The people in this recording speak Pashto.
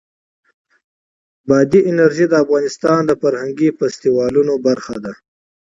بادي انرژي د افغانستان د فرهنګي فستیوالونو برخه ده.